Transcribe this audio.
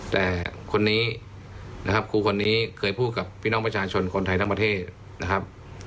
แต่คนนี้นะครับครูคนนี้เคยพูดกับพี่น้องประชาชนคนไทยทั้งประเทศนะครับ